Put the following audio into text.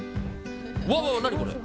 うわうわ、何これ。